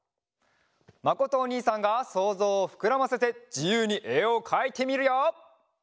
まことおにいさんがそうぞうをふくらませてじゆうにえをかいてみるよ！